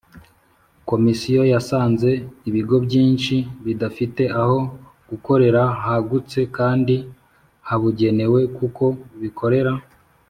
Komisiyo yasanze ibigo byinshi bidafite aho gukorera hagutse kandi habugenewe kuko bikorera